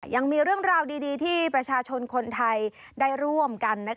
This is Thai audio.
ยังมีเรื่องราวดีที่ประชาชนคนไทยได้ร่วมกัน